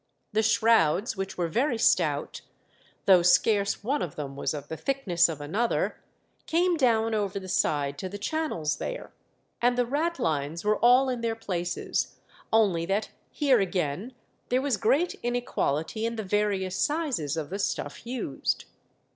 The shrouds, which were very stout, though scarce one ot them was of the thickness of another, came down over the side to the channels there, and the ratlines were all in their places, only that here again there was great inequality in the various sizes of the stuff used.